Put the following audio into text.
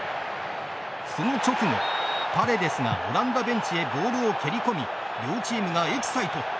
その直後、パレデスがオランダベンチへボールを蹴り込み両チームがエキサイト。